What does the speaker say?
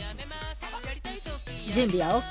準備はＯＫ？